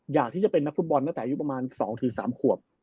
อยากที่จะเป็นนักฟุตบอลตั้งแต่อายุประมาณ๒๓ขวบ